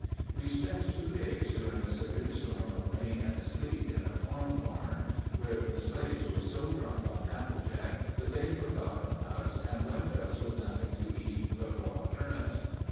We spent two days during a severe storm of rain and sleet in a farm barn where the slaves were so drunk on applejack that they had forgotten us and left us with nothing to eat but raw turnips.